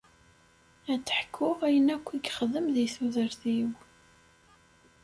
Ad d-ḥkuɣ ayen akk i yexdem di tudert-iw.